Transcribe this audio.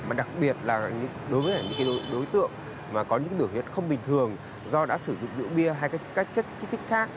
mà đặc biệt là đối với những đối tượng có những biểu hiện không bình thường do đã sử dụng rượu bia hay các chất kích thích khác